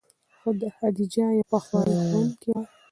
خدیجه یوه پخوانۍ ښوونکې وه.